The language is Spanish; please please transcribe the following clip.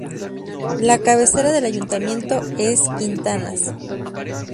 La cabecera del ayuntamiento es Quintanas.